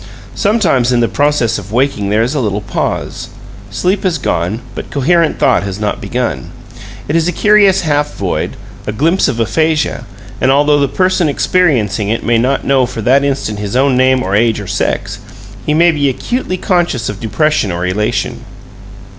Sometimes in the process of waking there is a little pause sleep has gone, but coherent thought has not begun. It is a curious half void, a glimpse of aphasia; and although the person experiencing it may not know for that instant his own name or age or sex, he may be acutely conscious of depression or elation.